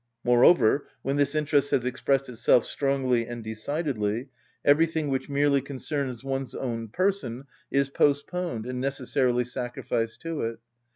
Moreover, when this interest has expressed itself strongly and decidedly, everything which merely concerns one's own person is postponed and necessarily sacrificed to it.